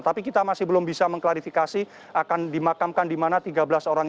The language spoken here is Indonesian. tapi kita masih belum bisa mengklarifikasi akan dimakamkan di mana tiga belas orang